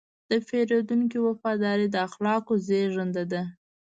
د پیرودونکي وفاداري د اخلاقو زېږنده ده.